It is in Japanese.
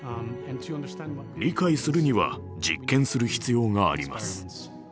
理解するには実験する必要があります。